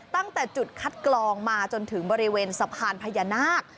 ตั้งแต่จุดคัดกรองมาจนถึงบริเวณสะพานพญานาค